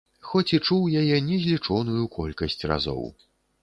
Хоць і чуў яе незлічоную колькасць разоў.